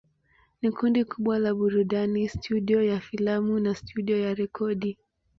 Ni kundi kubwa la burudani, studio ya filamu na studio ya rekodi.